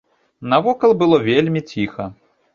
Навокал было вельмі ціха.